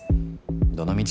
どのみち